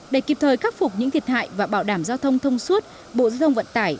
để kịp thời cắt phục những thiệt hại và bảo đảm giao thông thông suốt